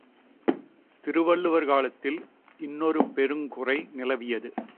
திருவள்ளுவர் காலத்தில் இன்னொரு பெருங்குறை நிலவியது.